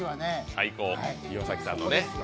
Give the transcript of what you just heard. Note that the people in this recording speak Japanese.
最高、岩崎さんのね。